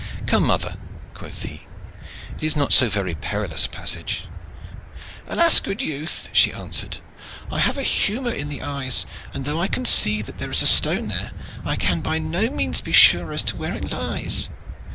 "Come, mother," quoth he, "it is not so very perilous a passage." "Alas! good youth," she answered, "I have a humor in the eyes, and though I can see that there is a stone there I can by no means be sure as to where it lies."